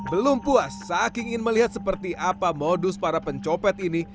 belum puas saking ingin melihat seperti apa modus para pencopet ini